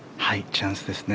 チャンスですね。